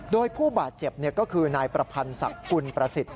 โดยผู้บาดเจ็บก็คือนายประพันธ์ศักดิ์กุลประสิทธิ